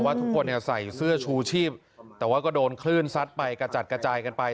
ทุกคนใส่เสื้อชูชีพแต่ว่าก็โดนคลื่นซัดไปกระจัดกระจายกันไป